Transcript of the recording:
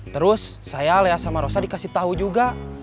terus saya leah sama rosa dikasih tau juga